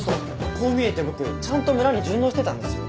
こう見えて僕ちゃんと村に順応してたんですよ。